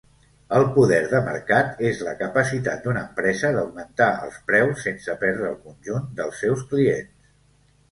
El poder de mercat és la capacitat d'una empresa d'augmentar els preus sense perdre el conjunt dels seus clients.